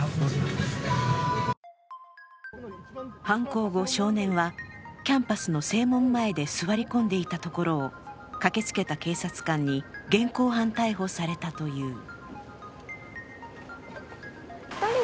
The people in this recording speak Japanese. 犯行後、少年はキャンパスの正門前で座り込んでいたところを駆けつけた警察官に現行犯逮捕されたという。